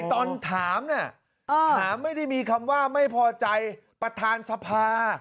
ตอนถามเนี่ยถามไม่ได้มีคำว่าไม่พอใจประธานสภา